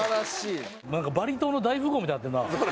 なんかバリ島の大富豪みたいになってるな。